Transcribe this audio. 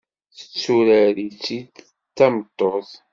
Tetturar-itt-id d tameṭṭut.